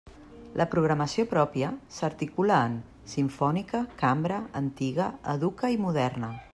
La programació pròpia s'articula en: simfònica, cambra, antiga, educa i moderna.